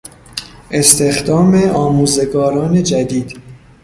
استخدام آموزگاران جدید